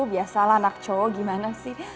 biasalah anak cowok gimana sih